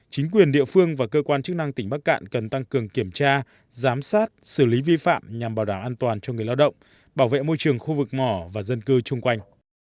chính quyền địa phương và cơ quan chức năng tỉnh bắc cạn cần tăng cường kiểm tra giám sát xử lý vi phạm nhằm bảo đảm an toàn cho người lao động bảo vệ môi trường khu vực mỏ và dân cư chung quanh